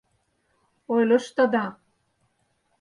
— Ойлыштыда...